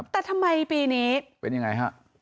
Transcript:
แต่ทำไมปีนี้เป็นยังไงฮะ